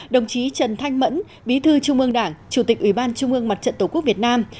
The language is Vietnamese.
đồng chí trần thanh mẫn bí thư trung ương đảng chủ tịch ủy ban trung ương mặt trận tổ quốc việt nam